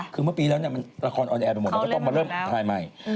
คือเมื่อปีแล้วมันละครออนแอร์ไปหมดเราก็ต้องมาเริ่มถ่ายใหม่